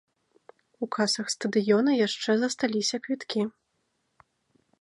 У касах стадыёна яшчэ засталіся квіткі.